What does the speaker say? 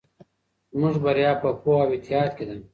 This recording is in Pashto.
زموږ بریا په پوهه او اتحاد کې ده.